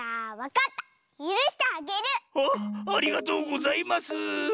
ありがとうございます！